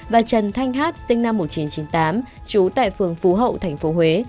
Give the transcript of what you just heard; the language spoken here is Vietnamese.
và trần thanh hát sinh năm một nghìn chín trăm chín mươi tám trú tại phường phú hậu tp huế